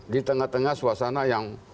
di tengah tengah suasana yang